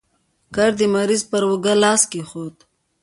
کرت د مریض پر اوږو لاس کېښود.